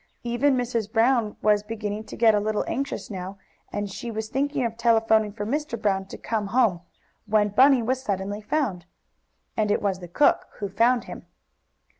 Even Mrs. Brown was beginning to get a little anxious now, and she was thinking of telephoning for Mr. Brown to come home, when Bunny was suddenly found. And it was the cook who found him.